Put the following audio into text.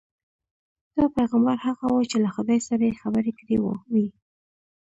دا پیغمبر هغه وو چې له خدای سره یې خبرې کړې وې.